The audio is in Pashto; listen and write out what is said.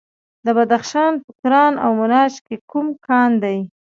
د بدخشان په کران او منجان کې کوم کان دی؟